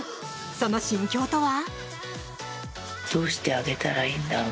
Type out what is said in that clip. その心境とは？